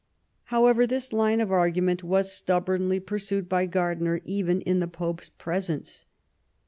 However, this line of argument was stubbornly pur sued by Gardiner even in the Pope's presence.